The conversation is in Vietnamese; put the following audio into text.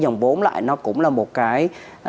dòng vốn lại cũng là một cái